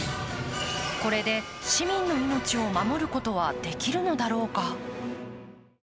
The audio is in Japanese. これで市民の命を守ることはできるのだろうか。